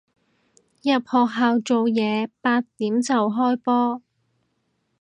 入學校做嘢，八點就開波